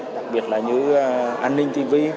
đặc biệt là như an ninh tv